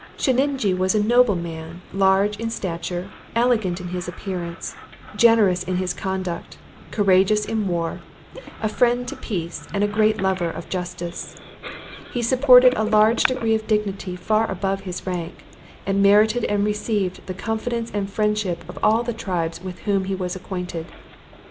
Sheninjee was a noble man; large in stature; elegant in his appearance; generous in his conduct; courageous in war; a friend to peace, and a great lover of justice. He supported a degree of dignity far above his rank, and merited and received the confidence and friendship of all the tribes with whom he was acquainted.